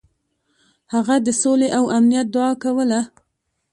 هغه د سولې او امنیت دعا کوله.